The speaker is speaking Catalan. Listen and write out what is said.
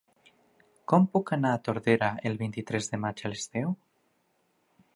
Com puc anar a Tordera el vint-i-tres de maig a les deu?